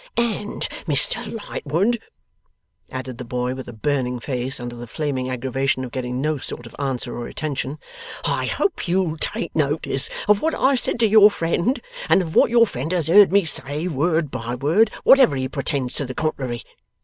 'And Mr Lightwood,' added the boy, with a burning face, under the flaming aggravation of getting no sort of answer or attention, 'I hope you'll take notice of what I have said to your friend, and of what your friend has heard me say, word by word, whatever he pretends to the contrary.